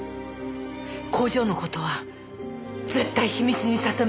工場の事は絶対秘密にさせますから。